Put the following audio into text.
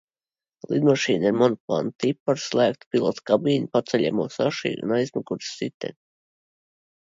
Lidmašīna ir monoplāna tipa ar slēgtu pilota kabīni, paceļamo šasiju un aizmugures riteni.